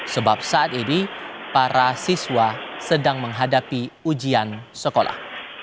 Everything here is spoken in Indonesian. sebab saat ini para siswa sedang menghadapi ujian sekolah